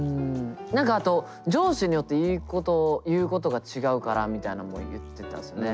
何かあと「上司によって言うことが違うから」みたいなんも言ってたっすよね。